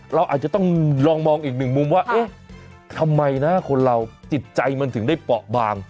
เราอาจจะต้องลองมองอีกหนึ่งมุมว่าเอ๊ะทำไมนะคนเราจิตใจมันถึงได้เปาะบาง